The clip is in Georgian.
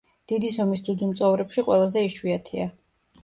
დიდი ზომის ძუძუმწოვრებში ყველაზე იშვიათია.